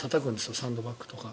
サンドバッグとか。